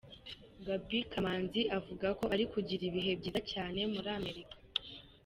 Gaby Kamanzi avuga ko ari kugirira ibihe byiza cyane muri Amerika.